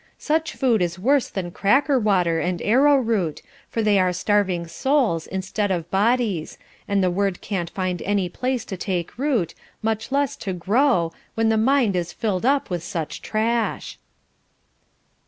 Such food is worse than cracker water, and arrowroot, for they are starving souls instead of bodies, and the Word can't find any place to take root, much less to grow, when the mind is filled up with such trash."